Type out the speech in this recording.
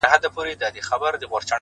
o مرغۍ الوتې وه؛ خالي قفس ته ودرېدم ؛